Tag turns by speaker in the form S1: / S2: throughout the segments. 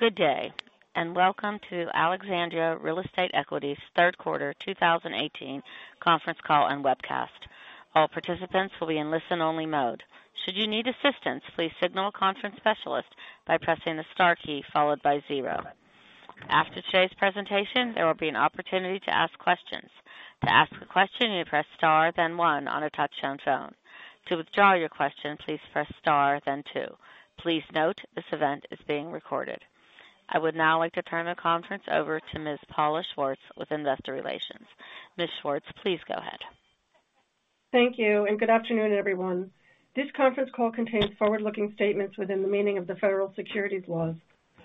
S1: Good day, and welcome to Alexandria Real Estate Equities' third quarter 2018 conference call and webcast. All participants will be in listen-only mode. Should you need assistance, please signal a conference specialist by pressing the star key followed by 0. After today's presentation, there will be an opportunity to ask questions. To ask a question, you press star then 1 on a touch-tone phone. To withdraw your question, please press star then 2. Please note, this event is being recorded. I would now like to turn the conference over to Ms. Paula Schwartz with investor relations. Ms. Schwartz, please go ahead.
S2: Thank you, and good afternoon, everyone. This conference call contains forward-looking statements within the meaning of the federal securities laws.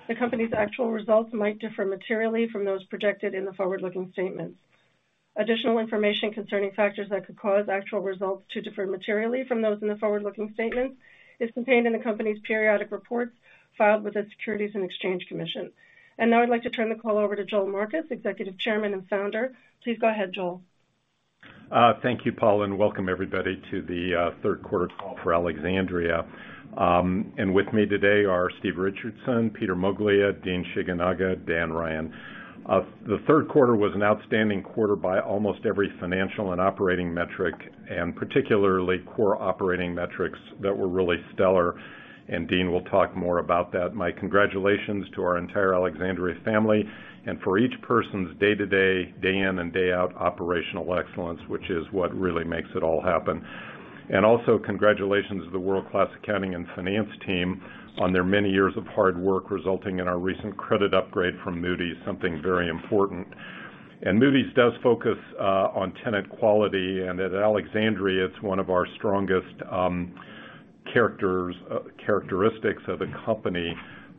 S2: The company's actual results might differ materially from those projected in the forward-looking statements. Additional information concerning factors that could cause actual results to differ materially from those in the forward-looking statements is contained in the company's periodic reports filed with the Securities and Exchange Commission. Now I'd like to turn the call over to Joel Marcus, Executive Chairman and Founder. Please go ahead, Joel.
S3: Thank you, Paula, and welcome everybody to the third quarter call for Alexandria. With me today are Steve Richardson, Peter Moglia, Dean Shigenaga, Dan Ryan. The third quarter was an outstanding quarter by almost every financial and operating metric, particularly core operating metrics that were really stellar. Dean will talk more about that. My congratulations to our entire Alexandria family, for each person's day-to-day, day in and day out operational excellence, which is what really makes it all happen. Also congratulations to the world-class accounting and finance team on their many years of hard work resulting in our recent credit upgrade from Moody's, something very important. Moody's does focus on tenant quality, and at Alexandria, it's one of our strongest characteristics of the company.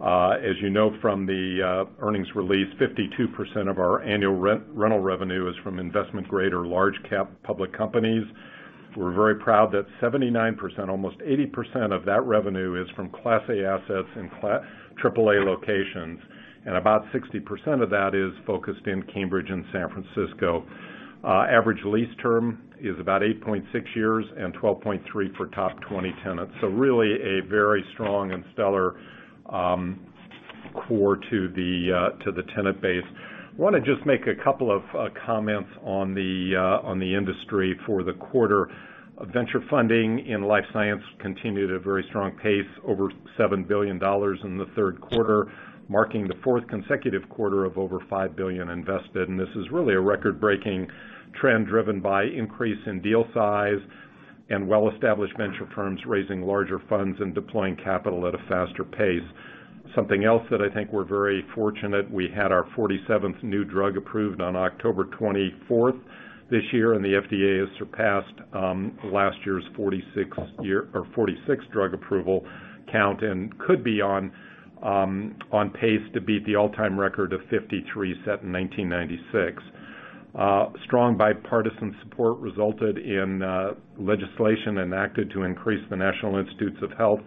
S3: As you know from the earnings release, 52% of our annual rental revenue is from investment-grade or large cap public companies. We're very proud that 79%, almost 80% of that revenue is from class A assets and class triple A locations, about 60% of that is focused in Cambridge and San Francisco. Average lease term is about 8.6 years and 12.3 for top 20 tenants. Really a very strong and stellar core to the tenant base. Want to just make a couple of comments on the industry for the quarter. Venture funding in life science continued at a very strong pace, $7 billion in the third quarter, marking the fourth consecutive quarter of $5 billion invested. This is really a record-breaking trend driven by increase in deal size and well-established venture firms raising larger funds and deploying capital at a faster pace. Something else that I think we're very fortunate, we had our 47th new drug approved on October 24th this year. The FDA has surpassed last year's 46 drug approval count and could be on pace to beat the all-time record of 53 set in 1996. Strong bipartisan support resulted in legislation enacted to increase the National Institutes of Health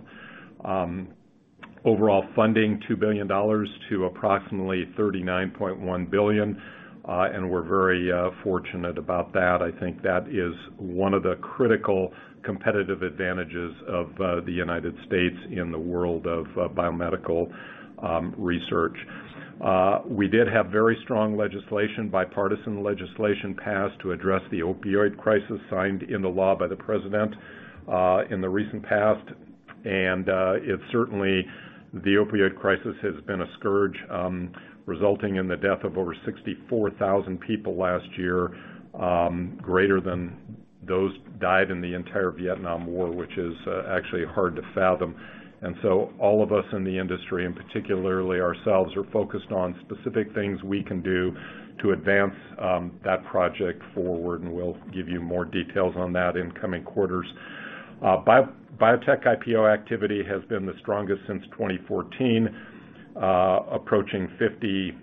S3: overall funding, $2 billion to approximately $39.1 billion. We're very fortunate about that. I think that is one of the critical competitive advantages of the U.S. in the world of biomedical research. We did have very strong legislation, bipartisan legislation passed to address the opioid crisis, signed in the law by the president in the recent past. It's certainly the opioid crisis has been a scourge, resulting in the death of 64,000 people last year, greater than those died in the entire Vietnam War, which is actually hard to fathom. All of us in the industry, and particularly ourselves, are focused on specific things we can do to advance that project forward. We'll give you more details on that in coming quarters. Biotech IPO activity has been the strongest since 2014, approaching 50,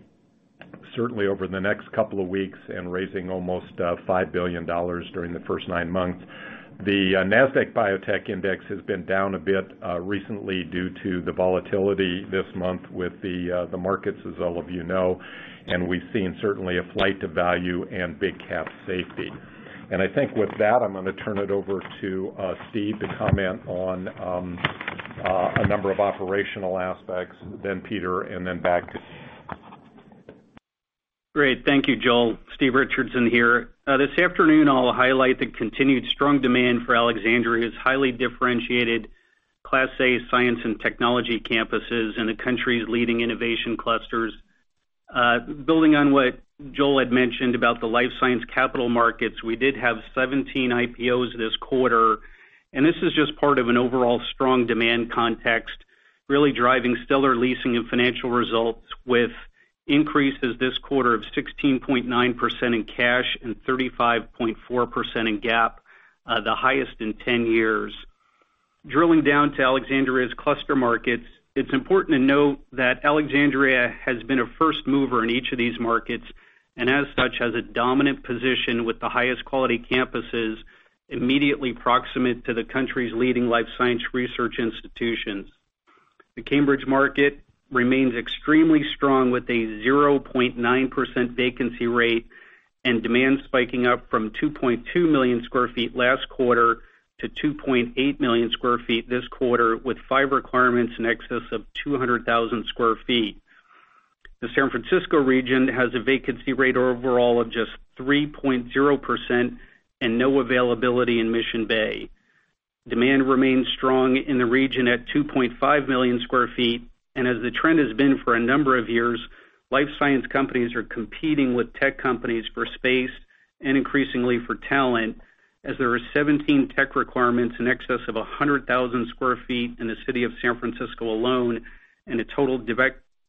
S3: certainly over the next couple of weeks and raising almost $5 billion during the first nine months. The NASDAQ Biotech Index has been down a bit recently due to the volatility this month with the markets, as all of you know. We've seen certainly a flight to value and big cap safety. I think with that, I'm going to turn it over to Steve to comment on a number of operational aspects, then Peter, and then back.
S4: Great. Thank you, Joel. Steve Richardson here. This afternoon I'll highlight the continued strong demand for Alexandria's highly differentiated Class A science and technology campuses in the country's leading innovation clusters. Building on what Joel had mentioned about the life science capital markets, we did have 17 IPOs this quarter. This is just part of an overall strong demand context, really driving stellar leasing and financial results with increases this quarter of 16.9% in cash and 35.4% in GAAP, the highest in 10 years. Drilling down to Alexandria's cluster markets, it's important to note that Alexandria has been a first mover in each of these markets. As such, has a dominant position with the highest quality campuses immediately proximate to the country's leading life science research institutions. The Cambridge market remains extremely strong with a 0.9% vacancy rate. Demand spiking up from 2.2 million square feet last quarter to 2.8 million square feet this quarter, with five requirements in excess of 200,000 square feet. The San Francisco region has a vacancy rate overall of just 3.0% and no availability in Mission Bay. Demand remains strong in the region at 2.5 million square feet. As the trend has been for a number of years, life science companies are competing with tech companies for space, and increasingly for talent, as there are 17 tech requirements in excess of 100,000 square feet in the city of San Francisco alone, and a total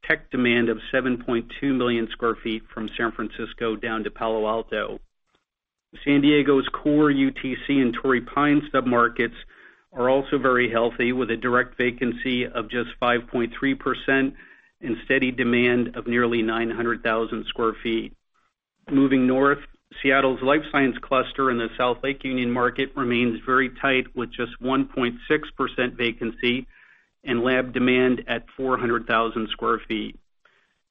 S4: tech demand of 7.2 million square feet from San Francisco down to Palo Alto. San Diego's core UTC and Torrey Pines submarkets are also very healthy, with a direct vacancy of just 5.3% and steady demand of nearly 900,000 square feet. Moving north, Seattle's life science cluster in the South Lake Union market remains very tight with just 1.6% vacancy and lab demand at 400,000 square feet.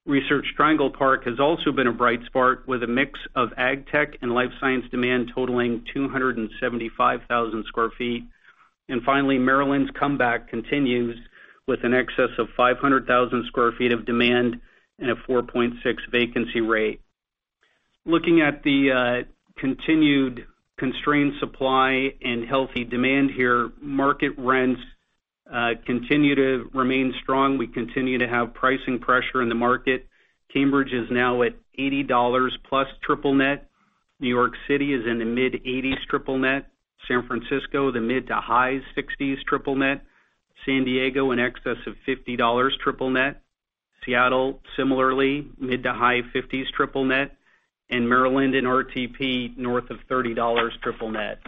S4: Research Triangle Park has also been a bright spot with a mix of agtech and life science demand totaling 275,000 square feet. Finally, Maryland's comeback continues with an excess of 500,000 square feet of demand and a 4.6 vacancy rate. Looking at the continued constrained supply and healthy demand here, market rents continue to remain strong. We continue to have pricing pressure in the market. Cambridge is now at $80 plus triple net. New York City is in the mid-80s triple net. San Francisco, the mid to high 60s triple net. San Diego, in excess of $50 triple net. Seattle, similarly, mid to high 50s triple net. Maryland and RTP, north of $30 triple net.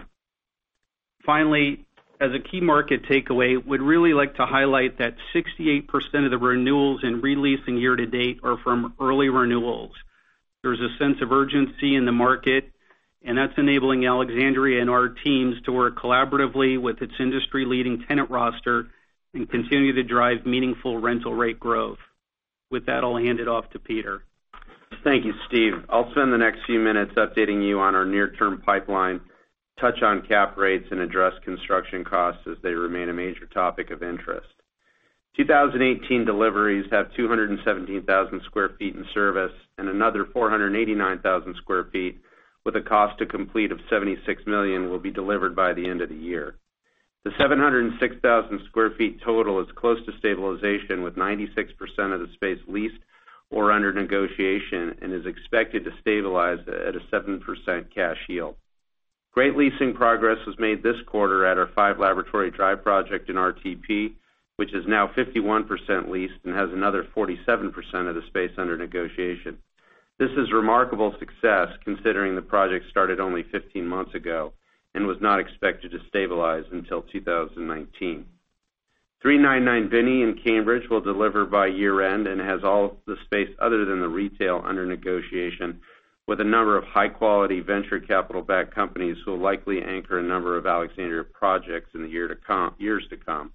S4: Finally, as a key market takeaway, we'd really like to highlight that 68% of the renewals and re-leasing year to date are from early renewals. There's a sense of urgency in the market, and that's enabling Alexandria and our teams to work collaboratively with its industry-leading tenant roster and continue to drive meaningful rental rate growth. With that, I'll hand it off to Peter.
S5: Thank you, Steve. I'll spend the next few minutes updating you on our near-term pipeline, touch on cap rates, and address construction costs as they remain a major topic of interest. 2018 deliveries have 217,000 square feet in service and another 489,000 square feet with a cost to complete of $76 million will be delivered by the end of the year. The 706,000 square feet total is close to stabilization, with 96% of the space leased or under negotiation and is expected to stabilize at a 7% cash yield. Great leasing progress was made this quarter at our 5 Laboratory Drive project in RTP, which is now 51% leased and has another 47% of the space under negotiation. This is remarkable success considering the project started only 15 months ago and was not expected to stabilize until 2019. 399 Binney in Cambridge will deliver by year-end and has all the space other than the retail under negotiation with a number of high-quality venture capital-backed companies who will likely anchor a number of Alexandria projects in the years to come.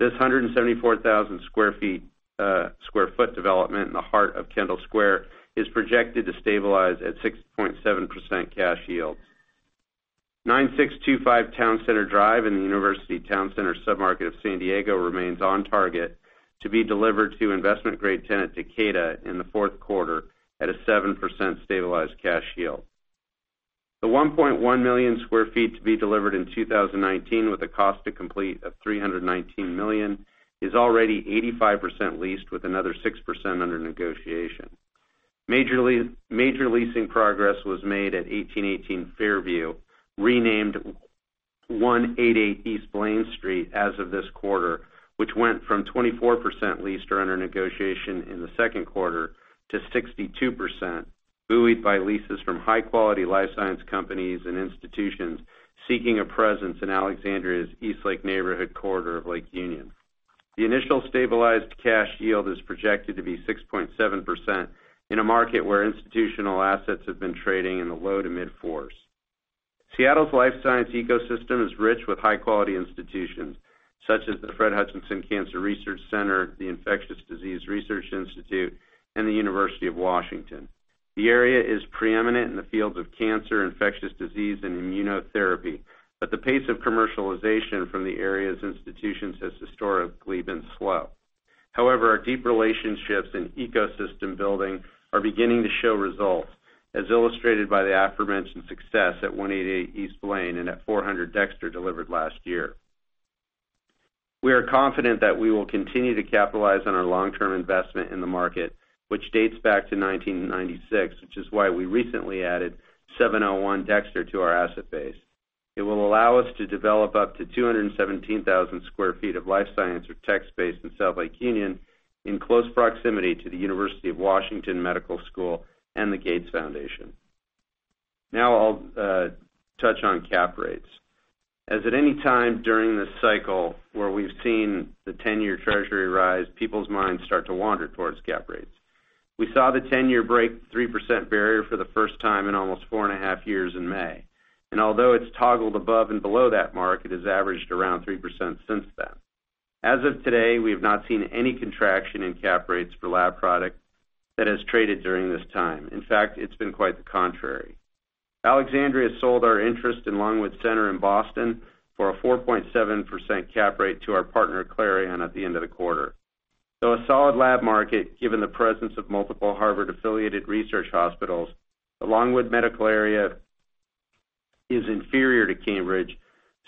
S5: This 174,000 sq ft development in the heart of Kendall Square is projected to stabilize at 6.7% cash yield. 9625 Town Center Drive in the University Town Center submarket of San Diego remains on target to be delivered to investment-grade tenant Takeda in the fourth quarter at a 7% stabilized cash yield. The 1.1 million sq ft to be delivered in 2019 with a cost to complete of $319 million is already 85% leased with another 6% under negotiation. Major leasing progress was made at 1818 Fairview, renamed 188 East Blaine Street as of this quarter, which went from 24% leased or under negotiation in the second quarter to 62%, buoyed by leases from high-quality life science companies and institutions seeking a presence in Alexandria's Eastlake neighborhood corridor of Lake Union. The initial stabilized cash yield is projected to be 6.7% in a market where institutional assets have been trading in the low to mid-fours. Seattle's life science ecosystem is rich with high-quality institutions, such as the Fred Hutchinson Cancer Research Center, the Infectious Disease Research Institute, and the University of Washington. The area is preeminent in the fields of cancer, infectious disease, and immunotherapy. The pace of commercialization from the area's institutions has historically been slow. Our deep relationships and ecosystem building are beginning to show results, as illustrated by the aforementioned success at 188 East Blaine and at 400 Dexter delivered last year. We are confident that we will continue to capitalize on our long-term investment in the market, which dates back to 1996, which is why we recently added 701 Dexter to our asset base. It will allow us to develop up to 217,000 sq ft of life science or tech space in South Lake Union in close proximity to the University of Washington Medical School and the Gates Foundation. I'll touch on cap rates. As at any time during this cycle where we've seen the 10-year Treasury rise, people's minds start to wander towards cap rates. We saw the 10-year break the 3% barrier for the first time in almost four and a half years in May. Although it's toggled above and below that mark, it has averaged around 3% since then. As of today, we have not seen any contraction in cap rates for lab product that has traded during this time. In fact, it's been quite the contrary. Alexandria sold our interest in Longwood Center in Boston for a 4.7% cap rate to our partner, Clarion, at the end of the quarter. Though a solid lab market, given the presence of multiple Harvard-affiliated research hospitals, the Longwood Medical Area is inferior to Cambridge,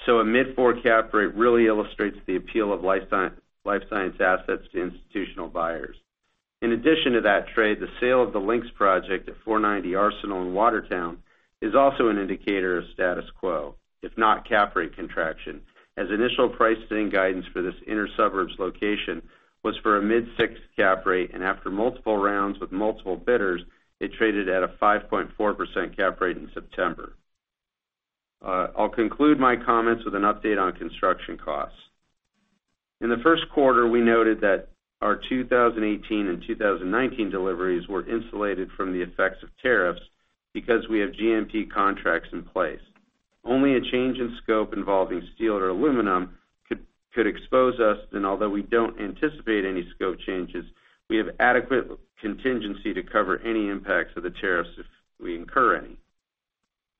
S5: a mid-four cap rate really illustrates the appeal of life science assets to institutional buyers. In addition to that trade, the sale of the Linx project at 490 Arsenal in Watertown is also an indicator of status quo, if not cap rate contraction, as initial pricing guidance for this inner suburbs location was for a mid-6% cap rate, and after multiple rounds with multiple bidders, it traded at a 5.4% cap rate in September. I'll conclude my comments with an update on construction costs. In the first quarter, we noted that our 2018 and 2019 deliveries were insulated from the effects of tariffs because we have GMP contracts in place. Only a change in scope involving steel or aluminum could expose us. Although we don't anticipate any scope changes, we have adequate contingency to cover any impacts of the tariffs if we incur any.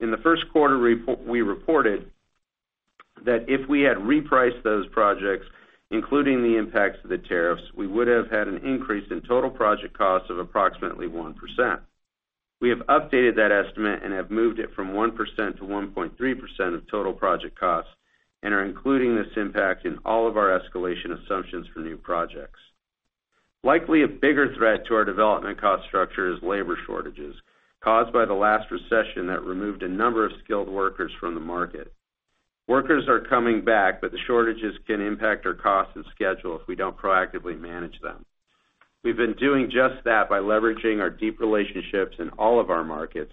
S5: In the first quarter, we reported that if we had repriced those projects, including the impacts of the tariffs, we would have had an increase in total project costs of approximately 1%. We have updated that estimate and have moved it from 1% to 1.3% of total project costs and are including this impact in all of our escalation assumptions for new projects. Likely a bigger threat to our development cost structure is labor shortages caused by the last recession that removed a number of skilled workers from the market. The shortages can impact our cost and schedule if we don't proactively manage them. We've been doing just that by leveraging our deep relationships in all of our markets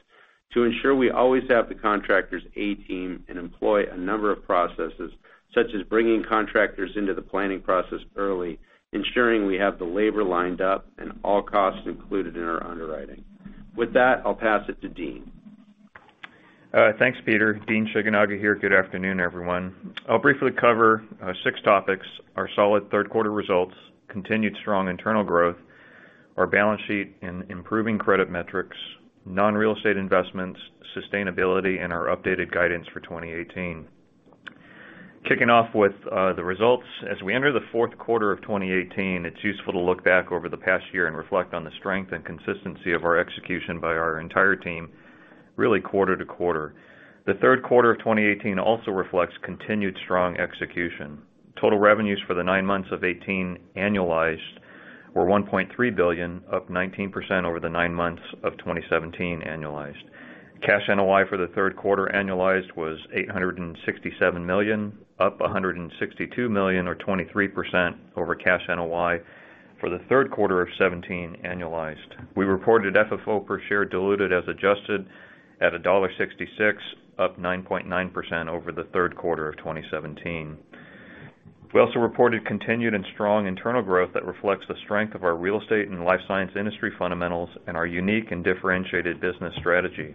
S5: to ensure we always have the contractor's A team and employ a number of processes, such as bringing contractors into the planning process early, ensuring we have the labor lined up and all costs included in our underwriting. With that, I'll pass it to Dean.
S6: Thanks, Peter. Dean Shigenaga here. Good afternoon, everyone. I'll briefly cover six topics: our solid third quarter results, continued strong internal growth, our balance sheet and improving credit metrics, non-real estate investments, sustainability, and our updated guidance for 2018. Kicking off with the results. As we enter the fourth quarter of 2018, it's useful to look back over the past year and reflect on the strength and consistency of our execution by our entire team, really quarter to quarter. The third quarter of 2018 also reflects continued strong execution. Total revenues for the nine months of 2018 annualized were $1.3 billion, up 19% over the nine months of 2017 annualized. Cash NOI for the third quarter annualized was $867 million, up $162 million, or 23%, over cash NOI for the third quarter of 2017 annualized. We reported FFO per share diluted as adjusted at $1.66, up 9.9% over the third quarter of 2017. We also reported continued and strong internal growth that reflects the strength of our real estate and life science industry fundamentals and our unique and differentiated business strategy.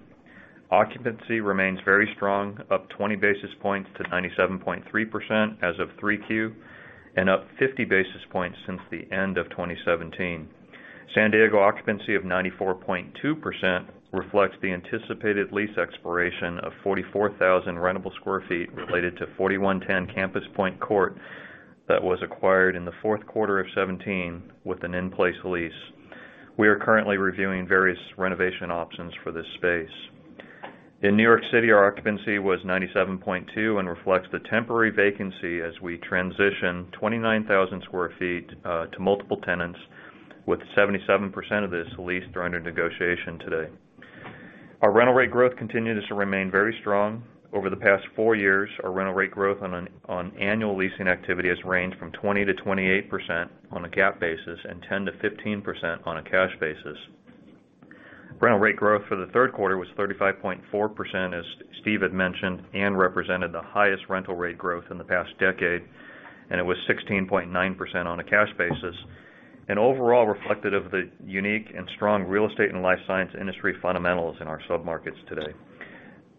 S6: Occupancy remains very strong, up 20 basis points to 97.3% as of three Q, and up 50 basis points since the end of 2017. San Diego occupancy of 94.2% reflects the anticipated lease expiration of 44,000 rentable square feet related to 4110 Campus Point Court that was acquired in the fourth quarter of 2017 with an in-place lease. We are currently reviewing various renovation options for this space. In New York City, our occupancy was 97.2% and reflects the temporary vacancy as we transition 29,000 square feet to multiple tenants, with 77% of this leased or under negotiation today. Our rental rate growth continues to remain very strong. Over the past four years, our rental rate growth on annual leasing activity has ranged from 20%-28% on a GAAP basis and 10%-15% on a cash basis. Rental rate growth for the third quarter was 35.4%, as Steve had mentioned, and represented the highest rental rate growth in the past decade, and it was 16.9% on a cash basis, and overall reflected of the unique and strong real estate and life science industry fundamentals in our sub-markets today.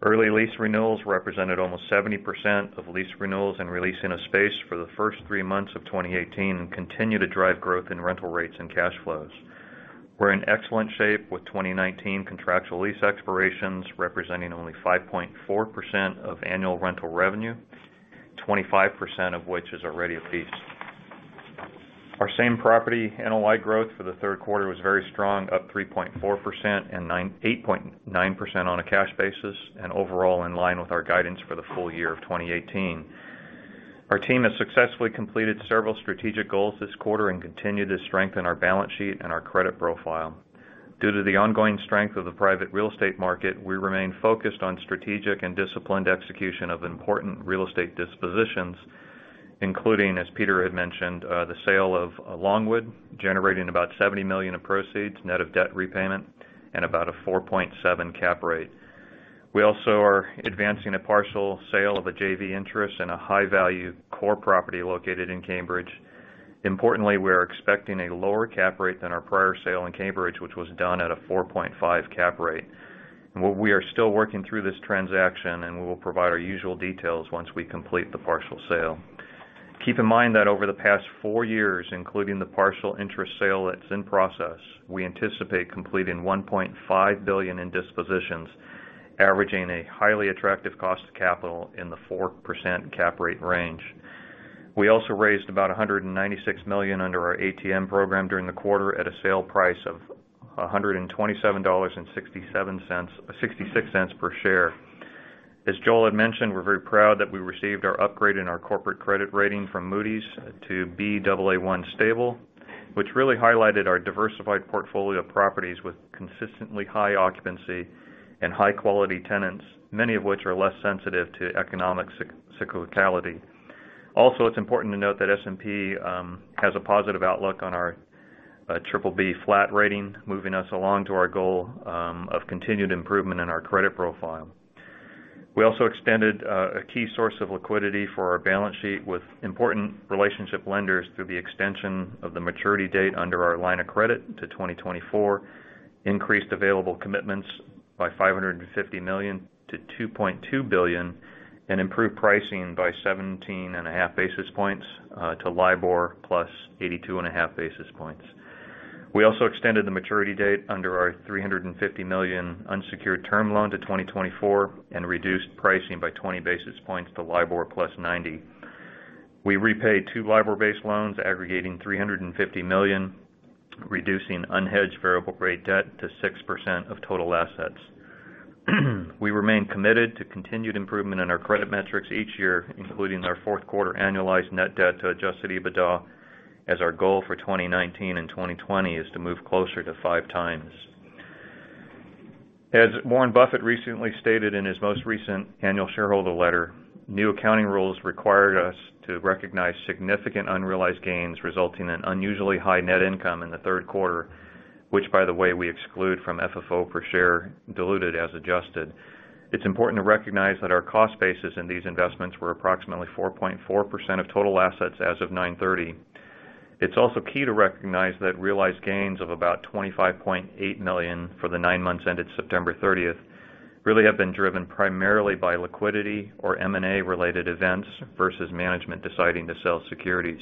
S6: Early lease renewals represented almost 70% of lease renewals and re-leasing of space for the first three months of 2018 and continue to drive growth in rental rates and cash flows. We're in excellent shape with 2019 contractual lease expirations representing only 5.4% of annual rental revenue, 25% of which is already leased. Our same property NOI growth for the third quarter was very strong, up 3.4% and 8.9% on a cash basis and overall in line with our guidance for the full year of 2018. Our team has successfully completed several strategic goals this quarter and continue to strengthen our balance sheet and our credit profile. Due to the ongoing strength of the private real estate market, we remain focused on strategic and disciplined execution of important real estate dispositions, including, as Peter had mentioned, the sale of Longwood, generating about $70 million of proceeds net of debt repayment and about a 4.7 cap rate. We also are advancing a partial sale of a JV interest in a high-value core property located in Cambridge. Importantly, we are expecting a lower cap rate than our prior sale in Cambridge, which was done at a 4.5 cap rate. We are still working through this transaction, and we will provide our usual details once we complete the partial sale. Keep in mind that over the past four years, including the partial interest sale that's in process, we anticipate completing $1.5 billion in dispositions, averaging a highly attractive cost of capital in the 4% cap rate range. We also raised about $196 million under our ATM program during the quarter at a sale price of $127.66 per share. As Joel had mentioned, we're very proud that we received our upgrade in our corporate credit rating from Moody's to Baa1 stable, which really highlighted our diversified portfolio of properties with consistently high occupancy and high-quality tenants, many of which are less sensitive to economic cyclicality. It's important to note that S&P has a positive outlook on our BBB flat rating, moving us along to our goal of continued improvement in our credit profile. We also extended a key source of liquidity for our balance sheet with important relationship lenders through the extension of the maturity date under our line of credit to 2024, increased available commitments by $550 million to $2.2 billion, and improved pricing by 17.5 basis points to LIBOR plus 82.5 basis points. We also extended the maturity date under our $350 million unsecured term loan to 2024 and reduced pricing by 20 basis points to LIBOR plus 90. We repaid two LIBOR-based loans aggregating $350 million, reducing unhedged variable rate debt to 6% of total assets. We remain committed to continued improvement in our credit metrics each year, including our fourth quarter annualized net debt to adjusted EBITDA, as our goal for 2019 and 2020 is to move closer to five times. As Warren Buffett recently stated in his most recent annual shareholder letter, new accounting rules required us to recognize significant unrealized gains resulting in unusually high net income in the third quarter, which, by the way, we exclude from FFO per share diluted as adjusted. It's important to recognize that our cost basis in these investments were approximately 4.4% of total assets as of September 30. It's also key to recognize that realized gains of about $25.8 million for the nine months ended September 30th really have been driven primarily by liquidity or M&A-related events versus management deciding to sell securities.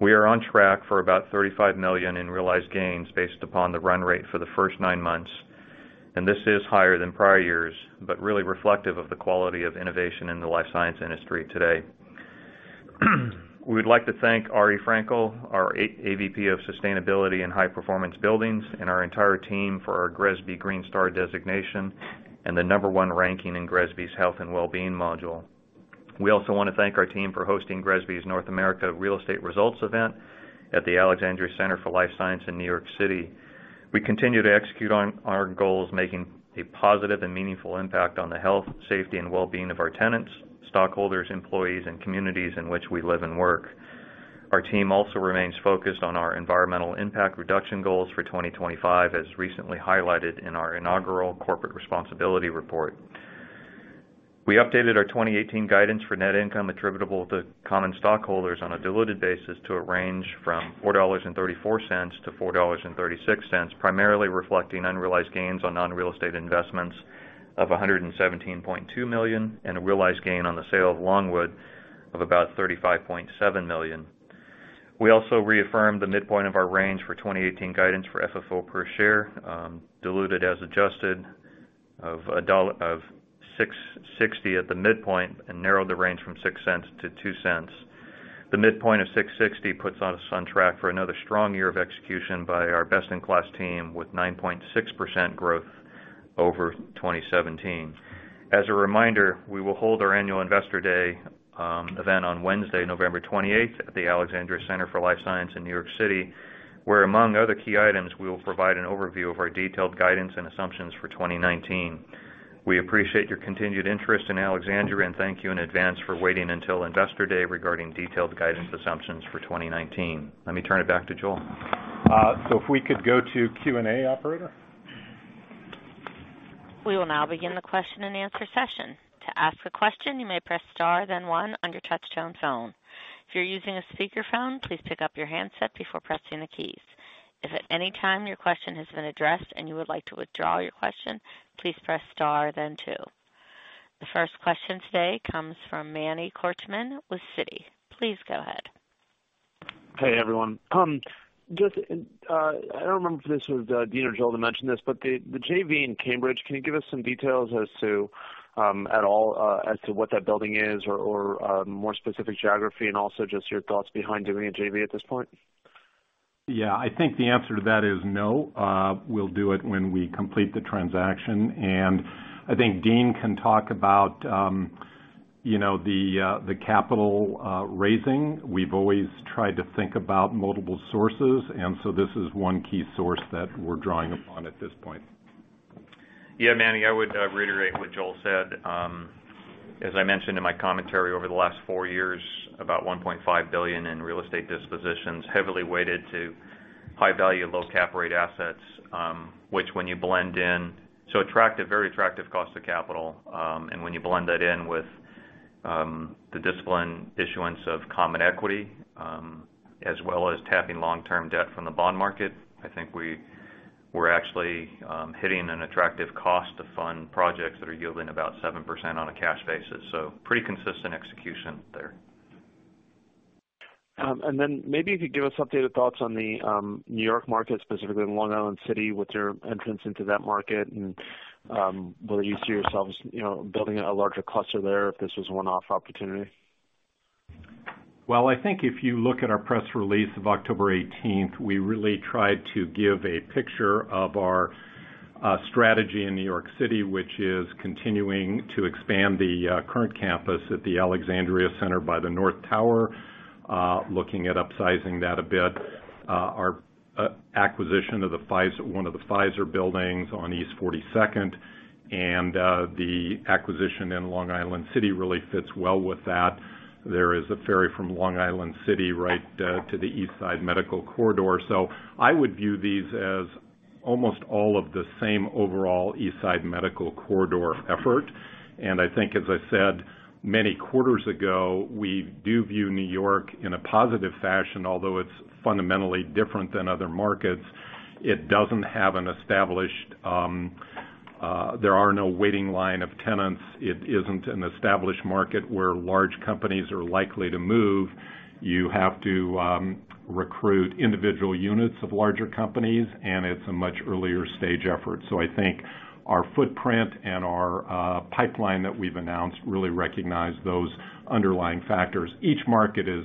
S6: We are on track for about $35 million in realized gains based upon the run rate for the first nine months. This is higher than prior years, but really reflective of the quality of innovation in the life science industry today. We would like to thank Ari Frankel, our AVP of Sustainability and High Performance Buildings, and our entire team for our GRESB Green Star designation and the number one ranking in GRESB's Health and Well-being Module. We also want to thank our team for hosting GRESB's North America Real Estate Results event at the Alexandria Center for Life Science in New York City. We continue to execute on our goals, making a positive and meaningful impact on the health, safety, and wellbeing of our tenants, stockholders, employees, and communities in which we live and work. Our team also remains focused on our environmental impact reduction goals for 2025, as recently highlighted in our inaugural corporate responsibility report. We updated our 2018 guidance for net income attributable to common stockholders on a diluted basis to a range from $4.34 to $4.36, primarily reflecting unrealized gains on non-real estate investments of $117.2 million and a realized gain on the sale of Longwood of about $35.7 million. We also reaffirmed the midpoint of our range for 2018 guidance for FFO per share, diluted as adjusted of $6.60 at the midpoint and narrowed the range from $0.06 to $0.02. The midpoint of $6.60 puts us on track for another strong year of execution by our best-in-class team, with 9.6% growth over 2017. As a reminder, we will hold our annual Investor Day event on Wednesday, November 28th, at the Alexandria Center for Life Science in New York City, where among other key items, we will provide an overview of our detailed guidance and assumptions for 2019. We appreciate your continued interest in Alexandria, and thank you in advance for waiting until Investor Day regarding detailed guidance assumptions for 2019. Let me turn it back to Joel.
S3: If we could go to Q&A, operator.
S1: We will now begin the question-and-answer session. To ask a question, you may press star, then one on your touchtone phone. If you're using a speakerphone, please pick up your handset before pressing the keys. If at any time your question has been addressed and you would like to withdraw your question, please press star then two. The first question today comes from Manny Korchman with Citi. Please go ahead.
S7: Hey, everyone. I don't remember if this was Dean or Joel that mentioned this, but the JV in Cambridge, can you give us some details as to what that building is or more specific geography, and also just your thoughts behind doing a JV at this point?
S3: Yeah, I think the answer to that is no. We'll do it when we complete the transaction. I think Dean can talk about the capital raising. We've always tried to think about multiple sources, this is one key source that we're drawing upon at this point.
S6: Yeah, Manny, I would reiterate what Joel said. As I mentioned in my commentary, over the last 4 years, about $1.5 billion in real estate dispositions, heavily weighted to high value, low cap rate assets, very attractive cost of capital. When you blend that in with the disciplined issuance of common equity, as well as tapping long-term debt from the bond market, I think we're actually hitting an attractive cost to fund projects that are yielding about 7% on a cash basis. Pretty consistent execution there.
S7: Maybe if you could give us updated thoughts on the New York market, specifically in Long Island City, with your entrance into that market, and whether you see yourselves building a larger cluster there, if this was a one-off opportunity.
S3: Well, I think if you look at our press release of October 18th, we really tried to give a picture of our strategy in New York City, which is continuing to expand the current campus at the Alexandria Center by the North Tower, looking at upsizing that a bit. Our acquisition of one of the Pfizer buildings on East 42nd and the acquisition in Long Island City really fits well with that. There is a ferry from Long Island City right to the East Side Medical Corridor. I would view these as almost all of the same overall East Side Medical Corridor effort. I think, as I said many quarters ago, we do view New York in a positive fashion, although it's fundamentally different than other markets. There are no waiting line of tenants. It isn't an established market where large companies are likely to move. You have to recruit individual units of larger companies, and it's a much earlier stage effort. I think our footprint and our pipeline that we've announced really recognize those underlying factors. Each market is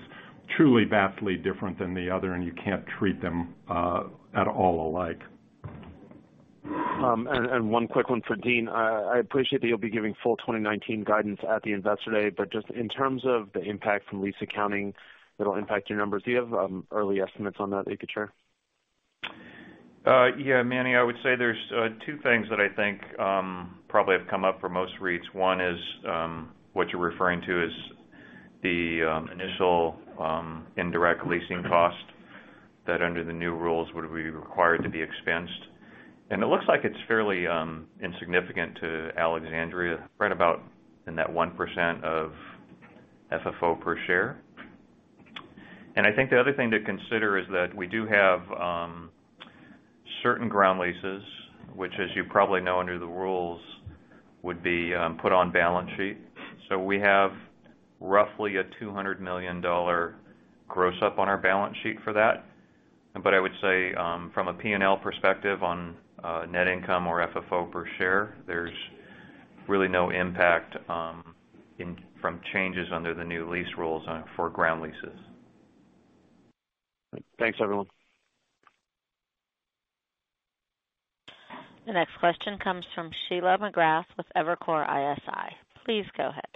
S3: truly vastly different than the other, and you can't treat them at all alike.
S7: One quick one for Dean. I appreciate that you'll be giving full 2019 guidance at the Investor Day, just in terms of the impact from lease accounting that'll impact your numbers, do you have early estimates on that that you could share?
S6: Manny, I would say there's two things that I think probably have come up for most REITs. One is what you're referring to is the initial indirect leasing cost that under the new rules, would be required to be expensed. It looks like it's fairly insignificant to Alexandria, right about in that 1% of FFO per share. I think the other thing to consider is that we do have certain ground leases, which, as you probably know, under the rules, would be put on balance sheet. We have roughly a $200 million gross up on our balance sheet for that. I would say, from a P&L perspective on net income or FFO per share, there's really no impact from changes under the new lease rules for ground leases.
S7: Thanks, everyone.
S1: The next question comes from Sheila McGrath with Evercore ISI. Please go ahead.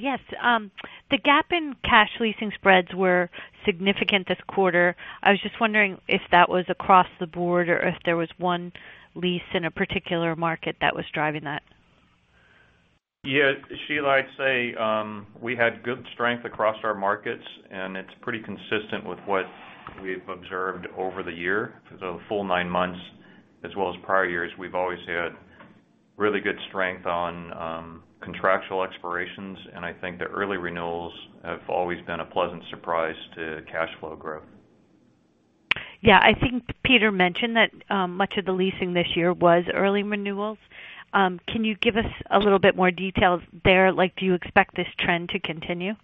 S8: Yes. The gap in cash leasing spreads were significant this quarter. I was just wondering if that was across the board or if there was one lease in a particular market that was driving that.
S6: Yeah. Sheila, I'd say, we had good strength across our markets. It's pretty consistent with what we've observed over the year, the full nine months, as well as prior years. We've always had really good strength on contractual expirations. I think the early renewals have always been a pleasant surprise to cash flow growth.
S8: Yeah, I think Peter mentioned that much of the leasing this year was early renewals. Can you give us a little bit more details there? Do you expect this trend to continue?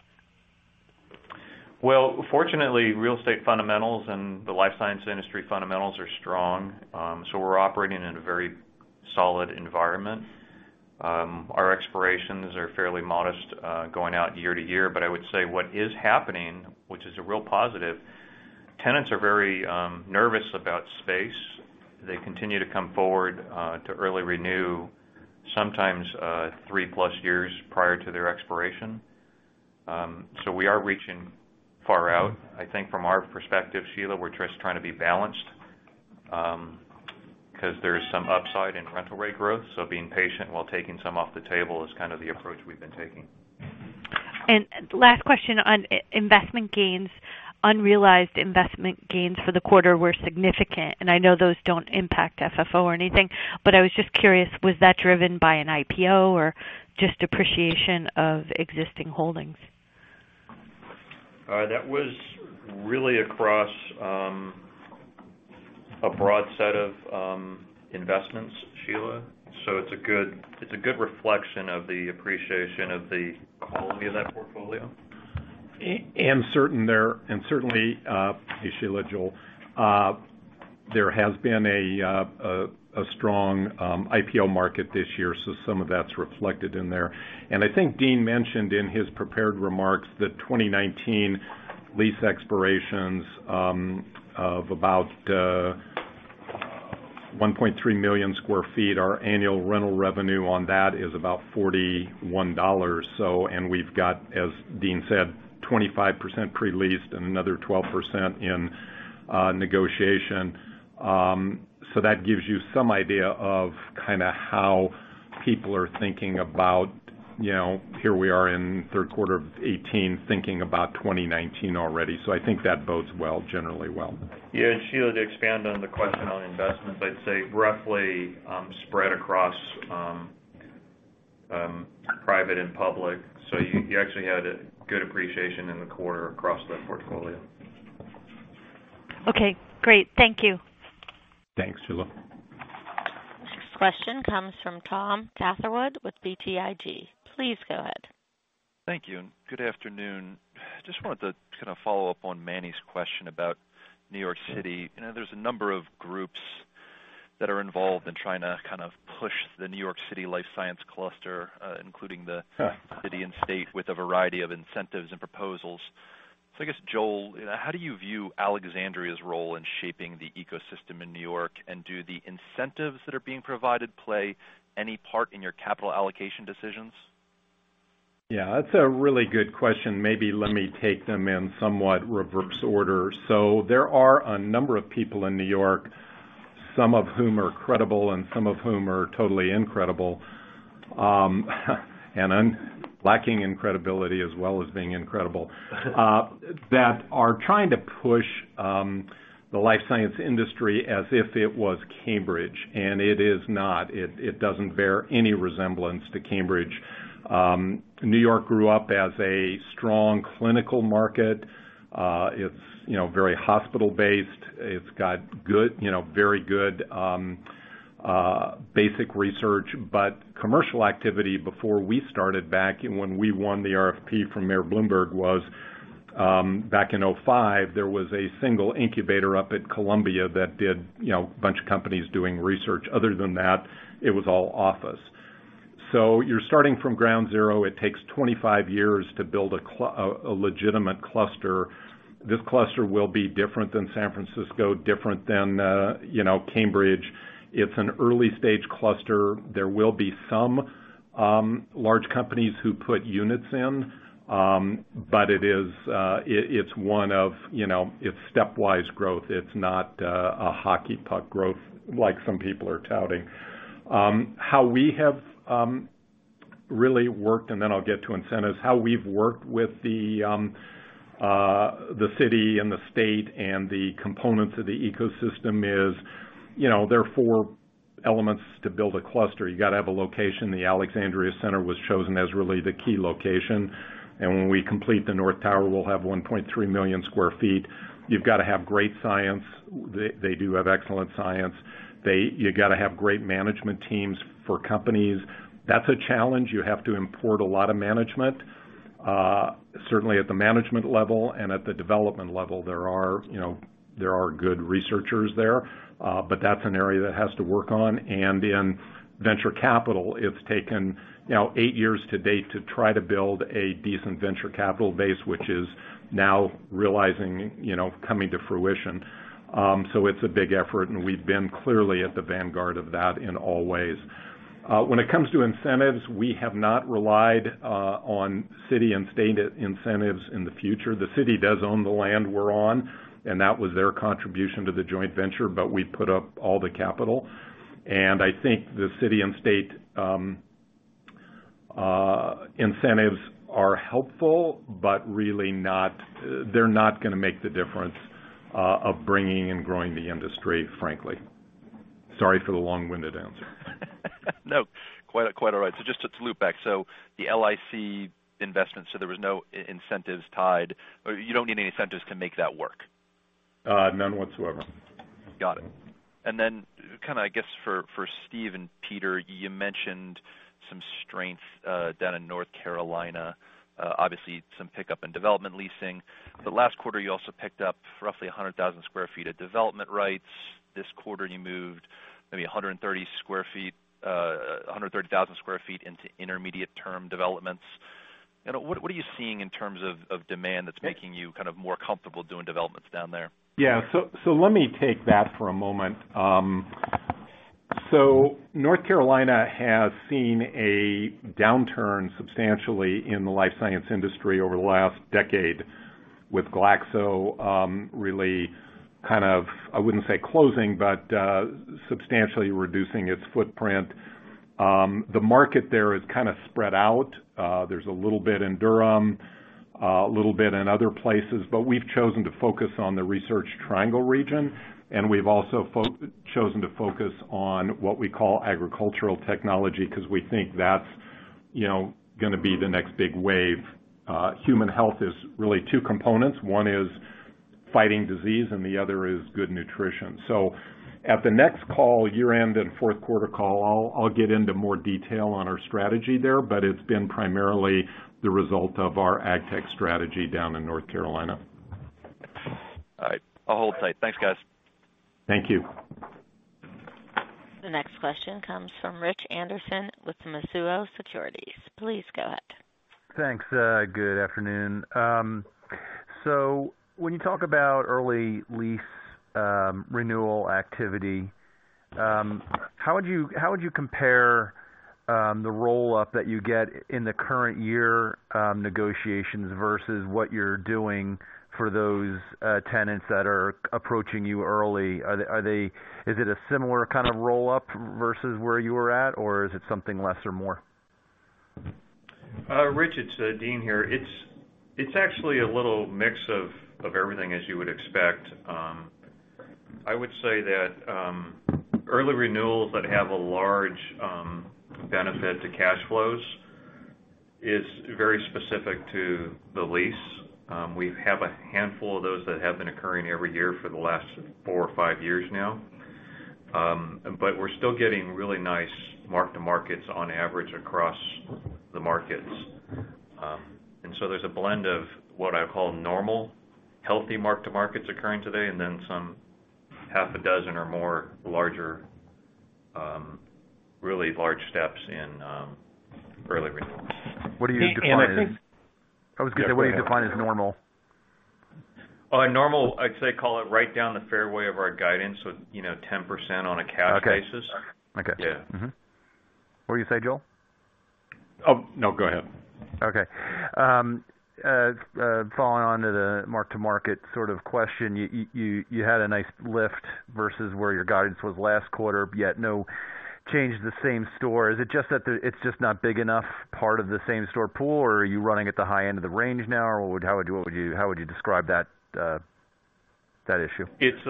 S6: Fortunately, real estate fundamentals and the life science industry fundamentals are strong. We're operating in a very solid environment. Our expirations are fairly modest, going out year to year, but I would say what is happening, which is a real positive, tenants are very nervous about space. They continue to come forward to early renew, sometimes 3+ years prior to their expiration. We are reaching far out. I think from our perspective, Sheila, we're just trying to be balanced, because there is some upside in rental rate growth. Being patient while taking some off the table is kind of the approach we've been taking.
S8: Last question on investment gains. Unrealized investment gains for the quarter were significant, I know those don't impact FFO or anything, I was just curious, was that driven by an IPO or just appreciation of existing holdings?
S6: That was really across a broad set of investments, Sheila. It's a good reflection of the appreciation of the quality of that portfolio.
S3: Certainly, hey, Sheila, Joel, there has been a strong IPO market this year, some of that's reflected in there. I think Dean mentioned in his prepared remarks the 2019 lease expirations of about 1.3 million sq ft. Our annual rental revenue on that is about $41. We've got, as Dean said, 25% pre-leased and another 12% in negotiation. That gives you some idea of how people are thinking about. Here we are in third quarter of 2018 thinking about 2019 already. I think that bodes well, generally well.
S6: Yeah. Sheila, to expand on the question on investments, I'd say roughly spread across private and public. You actually had a good appreciation in the quarter across that portfolio.
S8: Okay, great. Thank you.
S3: Thanks, Sheila.
S1: This question comes from Thomas Catherwood with BTIG. Please go ahead.
S9: Thank you, and good afternoon. Just wanted to kind of follow up on Manny's question about New York City. There's a number of groups that are involved in trying to kind of push the New York City life science cluster, including the city and state, with a variety of incentives and proposals. I guess, Joel, how do you view Alexandria's role in shaping the ecosystem in New York? And do the incentives that are being provided play any part in your capital allocation decisions?
S3: Yeah, that's a really good question. Maybe let me take them in somewhat reverse order. There are a number of people in New York, some of whom are credible and some of whom are totally incredible, and lacking in credibility as well as being incredible, that are trying to push the life science industry as if it was Cambridge, and it is not. It doesn't bear any resemblance to Cambridge. New York grew up as a strong clinical market. It's very hospital based. It's got very good basic research. Commercial activity, before we started back, and when we won the RFP from Mayor Bloomberg was back in 2005, there was a single incubator up at Columbia that did a bunch of companies doing research. Other than that, it was all office. You're starting from ground zero. It takes 25 years to build a legitimate cluster. This cluster will be different than San Francisco, different than Cambridge. It's an early-stage cluster. There will be some large companies who put units in. It's stepwise growth. It's not a hockey puck growth like some people are touting. How we've worked with the city and the state and the components of the ecosystem is there are four elements to build a cluster. You got to have a location. The Alexandria Center was chosen as really the key location. When we complete the north tower, we'll have 1.3 million sq ft. You've got to have great science. They do have excellent science. You got to have great management teams for companies. That's a challenge. You have to import a lot of management. Certainly at the management level and at the development level, there are good researchers there. That's an area that has to work on. Venture capital. It's taken eight years to date to try to build a decent venture capital base, which is now coming to fruition. It's a big effort, and we've been clearly at the vanguard of that in all ways. When it comes to incentives, we have not relied on city and state incentives in the future. The city does own the land we're on, and that was their contribution to the joint venture, but we put up all the capital. I think the city and state incentives are helpful, but really they're not going to make the difference of bringing and growing the industry, frankly. Sorry for the long-winded answer.
S9: Just to loop back. The LIC investment, there was no incentives tied, or you don't need any incentives to make that work?
S3: None whatsoever.
S9: Got it. Kind of, I guess for Steve and Peter, you mentioned some strength down in North Carolina, obviously some pickup in development leasing. Last quarter, you also picked up roughly 100,000 sq ft of development rights. This quarter, you moved maybe 130,000 sq ft into intermediate-term developments. What are you seeing in terms of demand that's making you kind of more comfortable doing developments down there?
S3: Yeah. Let me take that for a moment. North Carolina has seen a downturn substantially in the life science industry over the last decade, with Glaxo really kind of, I wouldn't say closing, but substantially reducing its footprint. The market there is kind of spread out. There's a little bit in Durham, a little bit in other places. We've chosen to focus on the Research Triangle region, and we've also chosen to focus on what we call agricultural technology because we think that's going to be the next big wave. Human health is really two components. One is fighting disease, and the other is good nutrition. At the next call, year-end and fourth quarter call, I'll get into more detail on our strategy there, but it's been primarily the result of our ag tech strategy down in North Carolina.
S9: All right. I'll hold tight. Thanks, guys.
S3: Thank you.
S1: The next question comes from Richard Anderson with Mizuho Securities. Please go ahead.
S10: Thanks. Good afternoon. When you talk about early lease renewal activity, how would you compare the roll-up that you get in the current year negotiations versus what you're doing for those tenants that are approaching you early? Is it a similar kind of roll-up versus where you were at, or is it something less or more?
S6: Rich, it's Dean here. It's actually a little mix of everything, as you would expect. I would say that early renewals that have a large benefit to cash flows is very specific to the lease. We have a handful of those that have been occurring every year for the last four or five years now. We're still getting really nice mark-to-markets on average across the markets. There's a blend of what I call normal, healthy mark-to-markets occurring today, then some half a dozen or more larger, really large steps in early renewals.
S10: What do you define as?
S3: I think.
S10: I was going to say, what do you define as normal?
S6: Oh, normal, I'd say call it right down the fairway of our guidance. 10% on a cash basis.
S10: Okay.
S6: Yeah.
S10: What did you say, Joel?
S3: Oh, no, go ahead.
S10: Okay. Following on to the mark-to-market sort of question, you had a nice lift versus where your guidance was last quarter, yet no change to the same store. Is it just that it is just not big enough part of the same-store pool, or are you running at the high end of the range now, or how would you describe that issue?
S6: It's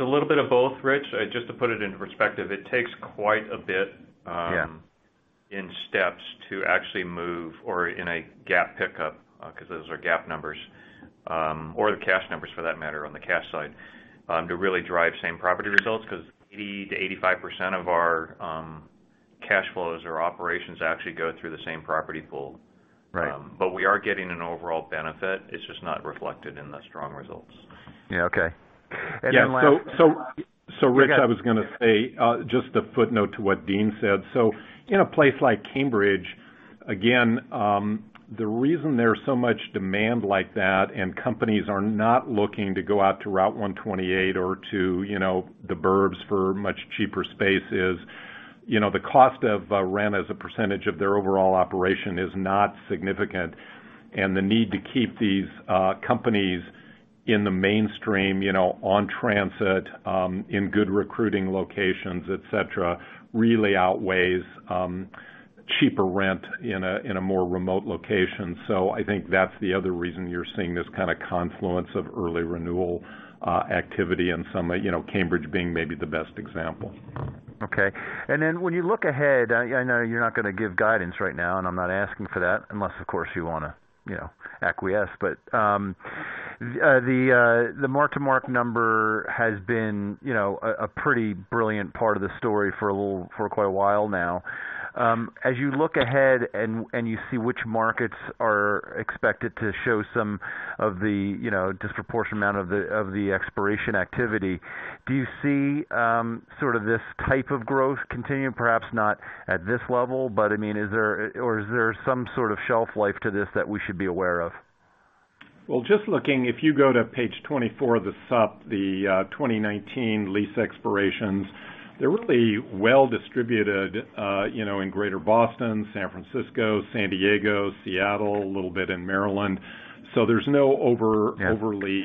S6: a little bit of both, Rich. Just to put it into perspective, it takes quite a bit.
S10: Yeah
S6: in steps to actually move or in a GAAP pickup, because those are GAAP numbers, or the cash numbers, for that matter, on the cash side, to really drive same property results because 80%-85% of our cash flows or operations actually go through the same property pool.
S10: Right.
S6: We are getting an overall benefit. It's just not reflected in the strong results.
S10: Yeah. Okay. Then last.
S3: Rich, I was going to say, just a footnote to what Dean Shigenaga said. In a place like Cambridge, again, the reason there's so much demand like that and companies are not looking to go out to Route 128 or to the burbs for much cheaper space is, the cost of rent as a percentage of their overall operation is not significant, and the need to keep these companies in the mainstream, on transit, in good recruiting locations, et cetera, really outweighs cheaper rent in a more remote location. I think that's the other reason you're seeing this kind of confluence of early renewal activity and some, Cambridge being maybe the best example.
S10: Okay. When you look ahead, I know you're not going to give guidance right now, and I'm not asking for that, unless, of course, you want to acquiesce. The mark-to-market number has been a pretty brilliant part of the story for quite a while now. As you look ahead and you see which markets are expected to show some of the disproportionate amount of the expiration activity, do you see sort of this type of growth continuing, perhaps not at this level? I mean, is there some sort of shelf life to this that we should be aware of?
S3: Well, just looking, if you go to page 24 of the sup, the 2019 lease expirations, they're really well-distributed in Greater Boston, San Francisco, San Diego, Seattle, a little bit in Maryland. There's no overly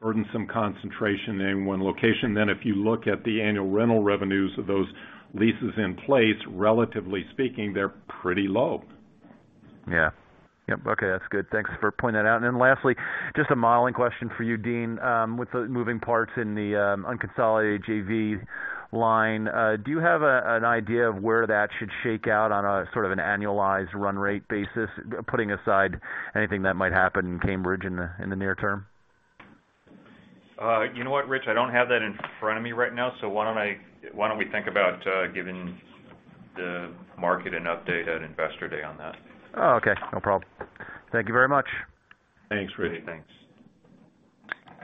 S3: burdensome concentration in one location. If you look at the annual rental revenues of those leases in place, relatively speaking, they're pretty low.
S10: Yeah. Okay. That's good. Thanks for pointing that out. Lastly, just a modeling question for you, Dean Shigenaga. With the moving parts in the unconsolidated JV line, do you have an idea of where that should shake out on a sort of an annualized run rate basis, putting aside anything that might happen in Cambridge in the near term?
S6: You know what, Rich? I don't have that in front of me right now, why don't we think about giving the market an update at Investor Day on that?
S10: Okay. No problem. Thank you very much.
S3: Thanks, Rich.
S6: Thanks.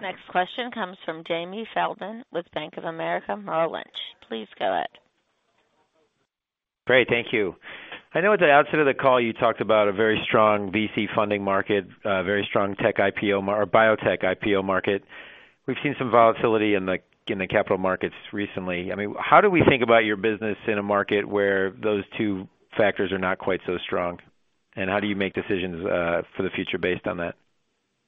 S1: Next question comes from Jamie Feldman with Bank of America Merrill Lynch. Please go ahead.
S11: Great. Thank you. I know at the outset of the call, you talked about a very strong VC funding market, a very strong tech IPO or biotech IPO market. We've seen some volatility in the capital markets recently. I mean, how do we think about your business in a market where those two factors are not quite so strong? How do you make decisions for the future based on that?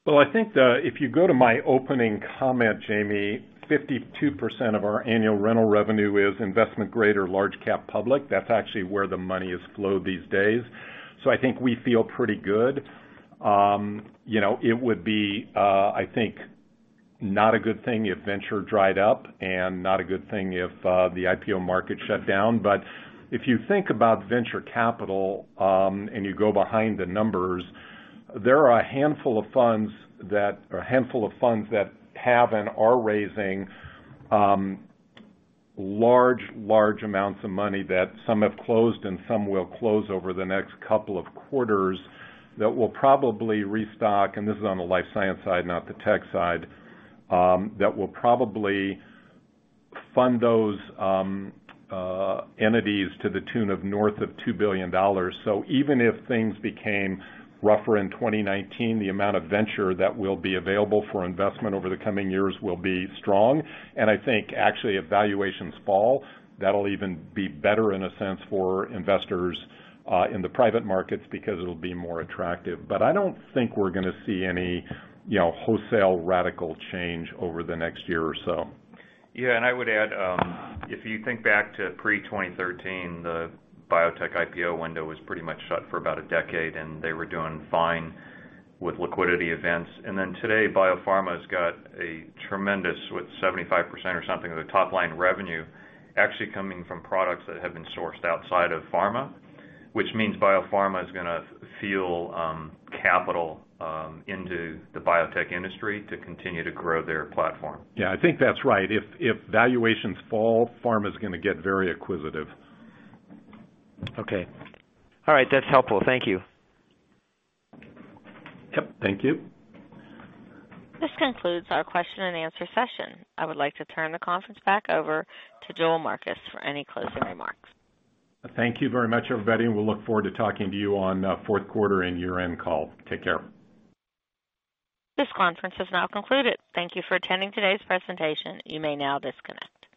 S3: Well, I think if you go to my opening comment, Jamie, 52% of our annual rental revenue is investment-grade or large-cap public. That's actually where the money has flowed these days. I think we feel pretty good. It would be, I think, not a good thing if venture dried up and not a good thing if the IPO market shut down. If you think about venture capital, you go behind the numbers, there are a handful of funds that have and are raising large amounts of money that some have closed and some will close over the next couple of quarters that will probably restock, and this is on the life science side, not the tech side, that will probably fund those entities to the tune of north of $2 billion. Even if things became rougher in 2019, the amount of venture that will be available for investment over the coming years will be strong. I think actually, if valuations fall, that'll even be better, in a sense, for investors in the private markets because it'll be more attractive. I don't think we're going to see any wholesale radical change over the next year or so.
S6: I would add, if you think back to pre-2013, the biotech IPO window was pretty much shut for about a decade, they were doing fine with liquidity events. Today, biopharma's got a tremendous, with 75% or something of the top-line revenue actually coming from products that have been sourced outside of pharma, which means biopharma is going to feel capital into the biotech industry to continue to grow their platform.
S3: Yeah, I think that's right. If valuations fall, pharma's going to get very acquisitive.
S11: Okay. All right. That's helpful. Thank you.
S6: Yep.
S3: Thank you.
S1: This concludes our question-and-answer session. I would like to turn the conference back over to Joel Marcus for any closing remarks.
S3: Thank you very much, everybody, and we'll look forward to talking to you on fourth quarter and year-end call. Take care.
S1: This conference is now concluded. Thank you for attending today's presentation. You may now disconnect.